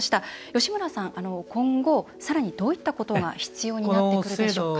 吉村さん、今後さらにどういったことが必要になってくるでしょうか？